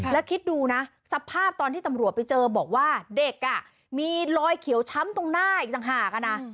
แล้วคิดดูนะสภาพตอนที่ตำรวจไปเจอบอกว่าเด็กมีรอยเขียวช้ำตรงหน้าอีกต่างหากนะ